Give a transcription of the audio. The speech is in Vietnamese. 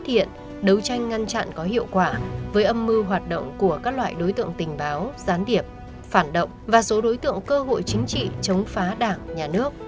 phát hiện đấu tranh ngăn chặn có hiệu quả với âm mưu hoạt động của các loại đối tượng tình báo gián điệp phản động và số đối tượng cơ hội chính trị chống phá đảng nhà nước